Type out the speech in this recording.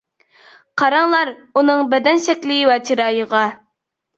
قاراڭلار ئۇنىڭ بەدەن شەكلى ۋە چىرايىغا.